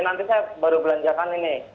nanti saya baru belanjakan ini